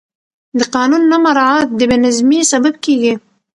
د قانون نه مراعت د بې نظمي سبب کېږي